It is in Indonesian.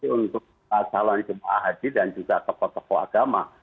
untuk calon jemaah haji dan juga tokoh tokoh agama